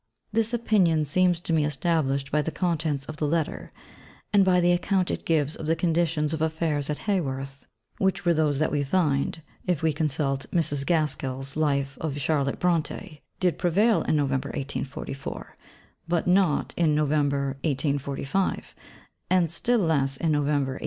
This opinion seems to me established by the contents of the Letter, and by the account it gives of the conditions of affairs at Haworth, which were those that we find (if we consult Mrs. Gaskell's Life of Charlotte Brontë) did prevail in November 1844, but not in November 1845, and still less in November 1846.